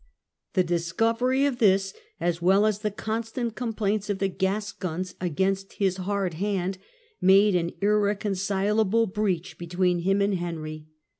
The discovery of this, as well as the constant complaints of the Gascons against his hard hand, made an irreconcil able breach between him and Henry.